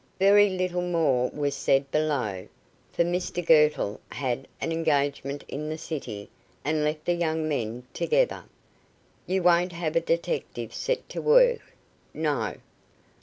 Very little more was said below, for Mr Girtle had an engagement in the City, and left the young men together. "You won't have a detective set to work?" "No."